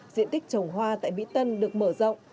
diện tích trồng hoa tại mỹ tân được mở rộng